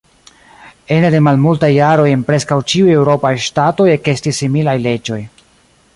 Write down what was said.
Ene de malmultaj jaroj en preskaŭ ĉiuj eŭropaj ŝtatoj ekestis similaj leĝoj.